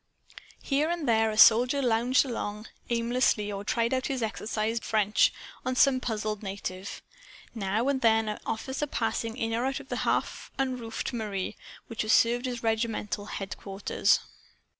Here and there a soldier lounged along aimlessly or tried out his exercise book French on some puzzled, native. Now and then an officer passed in or out of the half unroofed mairie which served as regimental headquarters.